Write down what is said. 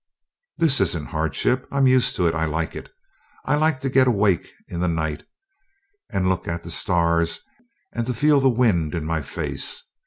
"This isn't hardship I'm used to it I like it. I like to get awake in the night and look at the stars and to feel the wind in my face.